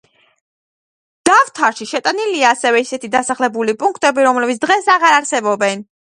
დავთარში შეტანილია ასევე ისეთი დასახლებული პუნქტები, რომლებიც დღეს აღარ არსებობენ.